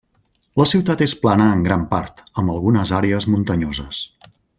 La ciutat és plana en gran part, amb algunes àrees muntanyoses.